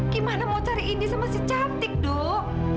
gimana mau cari ini sama si cantik dok